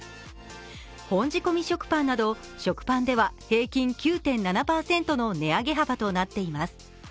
本仕込食パンなど食パンでは平均９．７％の値上げ幅となっています。